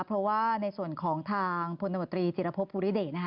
เพราะว่าในส่วนของทางพลตมตรีจิรพบภูริเดชนะคะ